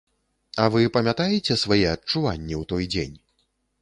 А вы памятаеце свае адчуванні ў той дзень?